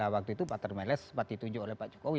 waktu itu pak terneles seperti ditunjuk oleh pak jokowi